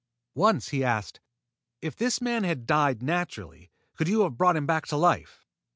Once he asked: "If this man had died naturally, could you have brought him back to life?"